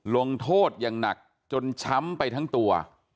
ลงโทษอย่างหนักจนช้ำไปทั้งตัว